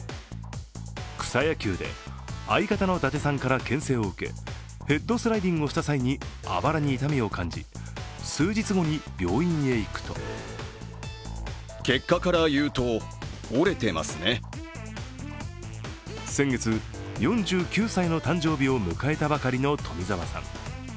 草野球で、相方の伊達さんからけん制を受けヘッドスライディングをした際にあばらに痛みを感じ数日後に病院へ行くと先月４９歳の誕生日を迎えたばかりの富澤さん。